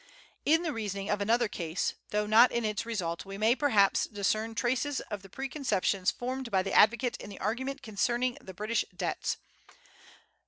In the reasoning of another case, though not in its result, we may perhaps discern traces of the preconceptions formed by the advocate in the argument concerning the British debts.